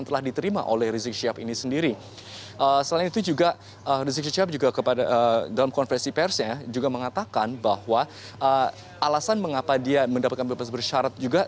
selain itu juga rizik syihab juga dalam konversi persnya juga mengatakan bahwa alasan mengapa dia mendapatkan bebas bersyarat juga